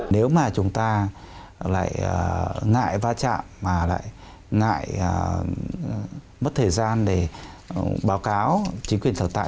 nếu mà chúng ta lại ngại va chạm mà lại ngại mất thời gian để báo cáo chính quyền sở tại